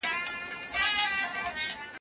که ئې د سليمې په نوم ميرمن لرله، هغه طلاقه ده.